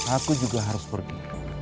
aku juga harus pergi